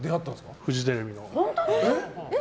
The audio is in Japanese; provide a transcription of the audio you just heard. フジテレビの。